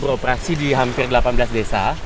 beroperasi di hampir delapan belas desa